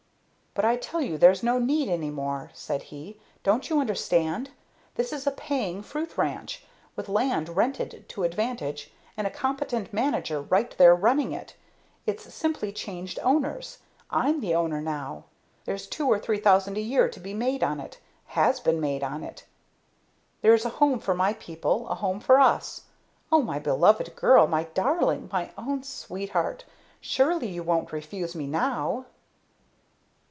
"But I tell you there's no need any more," said he. "Don't you understand? This is a paying fruit ranch, with land rented to advantage, and a competent manager right there running it. It's simply changed owners. I'm the owner now! There's two or three thousand a year to be made on it has been made on it! There is a home for my people a home for us! Oh, my beloved girl! My darling! My own sweetheart! Surely you won't refuse me now!"